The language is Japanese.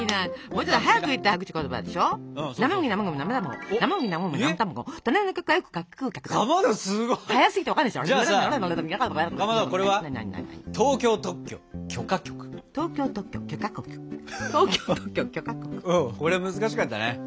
うんこれ難しかったね。